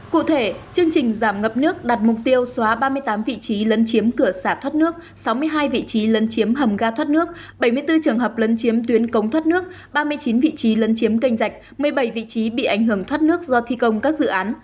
cụ thể chương trình giảm ngập nước đặt mục tiêu xóa ba mươi tám vị trí lấn chiếm cửa xả thoát nước sáu mươi hai vị trí lấn chiếm hầm ga thoát nước bảy mươi bốn trường hợp lấn chiếm tuyến cống thoát nước ba mươi chín vị trí lấn chiếm canh dạch một mươi bảy vị trí bị ảnh hưởng thoát nước do thi công các dự án